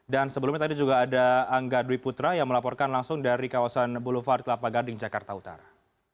dan sebelumnya tadi juga ada angga dwi putra yang melaporkan langsung dari kawasan boulevard lapagading jakarta utara